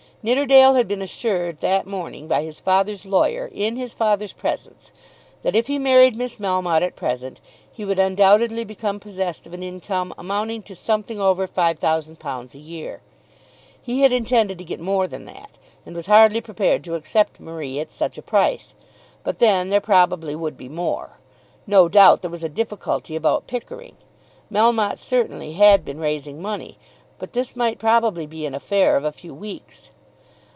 Nidderdale had been assured that morning, by his father's lawyer, in his father's presence, that if he married Miss Melmotte at present he would undoubtedly become possessed of an income amounting to something over £5,000 a year. He had intended to get more than that, and was hardly prepared to accept Marie at such a price; but then there probably would be more. No doubt there was a difficulty about Pickering. Melmotte certainly had been raising money. But this might probably be an affair of a few weeks.